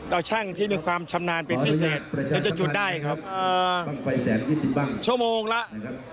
เอาช่างที่มีความชำนาญเป็นพิเศษให้จะจุดได้ครับ